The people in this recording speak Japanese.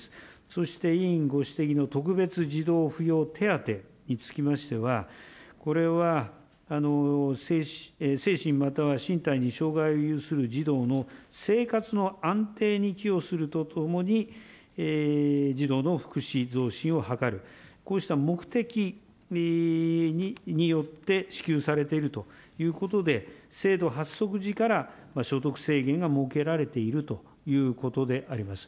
そして、委員ご指摘の特別児童扶養手当につきましては、これは精神、または身体に障害を有する児童の生活の安定に寄与するとともに、児童の福祉増進を図る、こうした目的によって支給されているということで、制度発足時から所得制限が設けられているということであります。